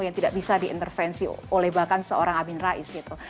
yang tidak bisa diintervensi oleh bahkan seorang amin rais gitu